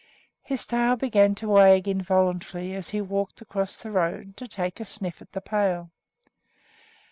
His tail began to wag involuntarily as he walked across the road to take a sniff at the pail.